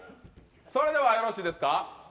それではよろしいいですか。